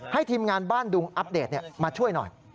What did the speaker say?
ทีมงานบ้านดุงอัปเดตมาช่วยหน่อย